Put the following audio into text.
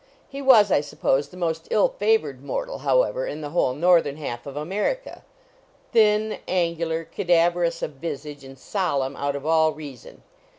He was, I suppose, the most ill favored mortal, however, in the whole northern half of America thin, angular, cadaverous of visage and solemn out of all reason.